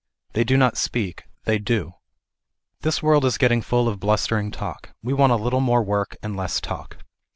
They do not speak, they do. This world is getting full of blustering talk. We want a little more work, and less talk.